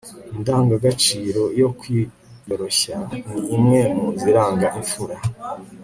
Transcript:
indangagaciro yo kwiyoroshya ni imwe mu ziranga imfura